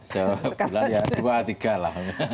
sebulan ya dua tiga lah